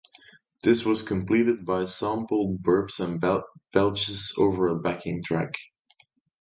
This was complemented by sampled burps and belches over a backing track.